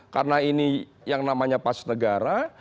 karena ini yang namanya pas negara